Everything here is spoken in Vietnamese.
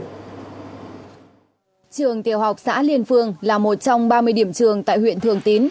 trường tiểu học xã liên phương là một trong ba mươi điểm trường tại huyện thường tín